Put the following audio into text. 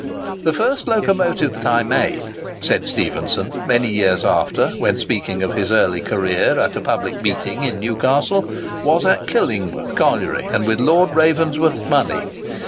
"The first locomotive that I made," said Stephenson, many years after, when speaking of his early career at a public meeting in Newcastle, "was at Killingworth Colliery, and with Lord Ravensworth's money.